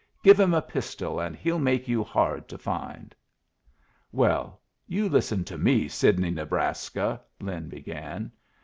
"Give him a pistol, and he'll make you hard to find." "Well, you listen to me, Sidney Nebraska " Lin began.